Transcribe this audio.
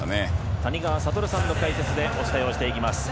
谷川聡さんの解説でお伝えしていきます。